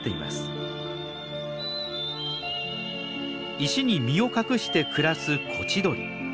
石に身を隠して暮らすコチドリ。